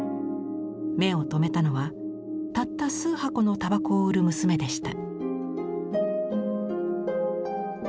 目を留めたのはたった数箱の煙草を売る娘でした。